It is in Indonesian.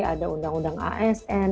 ada undang undang asn